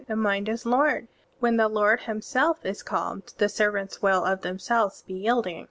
The mind is lord. When the lord him self is calmed the servants will of themselves be yielding.